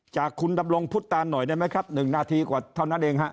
จากคุณดำรงพุทธตานหน่อยได้ไหมครับ๑นาทีกว่าเท่านั้นเองฮะ